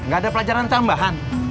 gak ada pelajaran tambahan